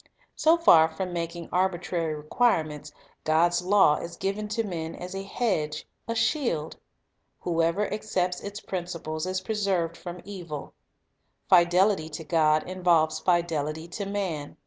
So far from making arbitrary requirements, God's law The Teacher Sent from God 77 is given to men as a hedge, a shield. Whoever accepts its principles is preserved from evil. Fidelity to God involves fidelity to man.